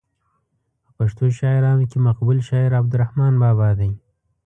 په پښتو شاعرانو کې مقبول شاعر عبدالرحمان بابا دی.